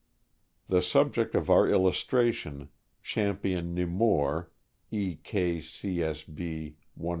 The subject of our illustration, Champion Nemours (E.